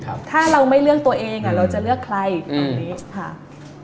ถ้าเราไม่เลือกตัวเองเราจะเลือกใครตรงนี้ค่ะ